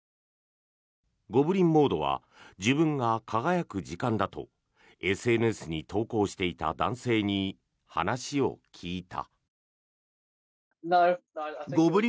ゴブリン・モードは自分が輝く時間だとＳＮＳに投稿していた男性に話を聞いた。